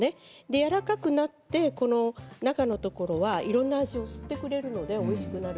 やわらかくなって中のところはいろいろな味を吸ってくれるのでおいしくなる。